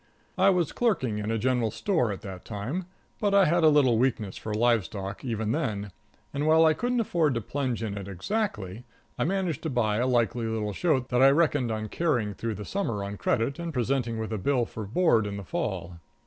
I was clerking in a general store at that time, but I had a little weakness for livestock, even then; and while I couldn't afford to plunge in it exactly, I managed to buy a likely little shoat that I reckoned on carrying through the Summer on credit and presenting with a bill for board in the Fall.